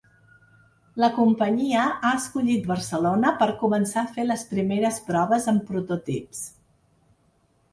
La companyia ha escollit Barcelona per començar a fer les primers proves amb prototips.